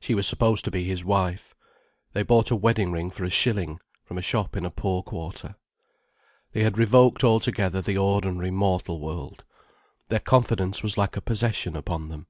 She was supposed to be his wife. They bought a wedding ring for a shilling, from a shop in a poor quarter. They had revoked altogether the ordinary mortal world. Their confidence was like a possession upon them.